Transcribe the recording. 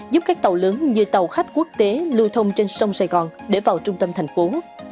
giúp các tàu lớn như tàu khách quốc tế lưu thông trên sông sài gòn để vào trung tâm thành phố